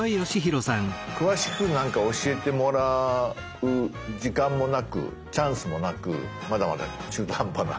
詳しくなんか教えてもらう時間もなくチャンスもなくまだまだ中途半端な。